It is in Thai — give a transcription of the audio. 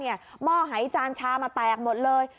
หม้อหายจานชามาแตกหมดเลย